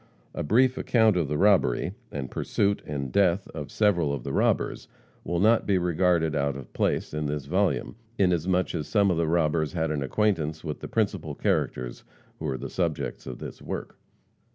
A brief account of the robbery, and pursuit and death of several of the robbers, will not be regarded out of place in this volume, inasmuch as some of the robbers had an acquaintance with the principal characters who are the subjects of this work.